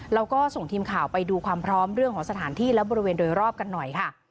เราก็ส่งทีมข่าวไปดูความพร้อมเรื่องของสถานที่และบริเวณโดยรอบกันหน่อยค่ะ